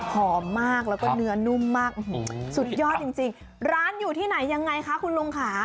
หอมมากแล้วก็เนื้อนุ่มมากสุดยอดจริงร้านอยู่ที่ไหนยังไงคะคุณลุงค่ะ